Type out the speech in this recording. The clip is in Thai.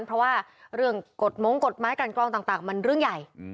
เพราะว่าเรื่องกฎมงกฎหมายกันกรองต่างมันเรื่องใหญ่